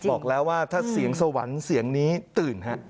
บอกแล้วว่าถ้าเสียงสวรรค์เสียงนี้ตื่นฮะ